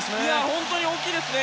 本当に大きいですね。